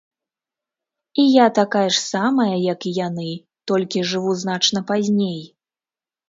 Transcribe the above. І я такая ж самая, як і яны, толькі жыву значна пазней.